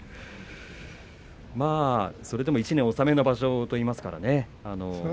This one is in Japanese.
それでも１年納めの場所といいますからね。